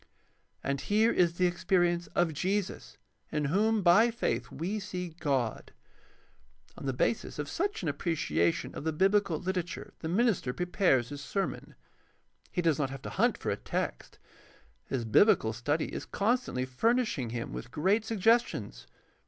And here is the experience of Jesus in whom by faith we see God. On the basis of such an appreciation of the biblical literature the minister prepares his sermon. He does not have to hunt for a text. His biblical study is constantly fur nishing him with great suggestions.